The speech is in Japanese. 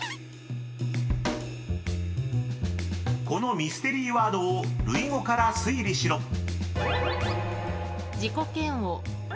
［このミステリーワードを類語から推理しろ］